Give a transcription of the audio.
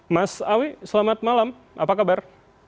mas awi selamat malam apa kabar